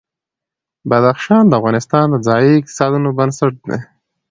بدخشان د افغانستان د ځایي اقتصادونو بنسټ دی.